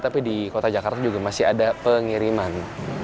tapi di kota jakarta juga masih ada pengiriman